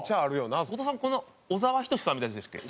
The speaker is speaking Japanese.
後藤さんこんな小沢仁志さんみたいでしたっけ？